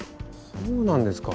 そうなんですか。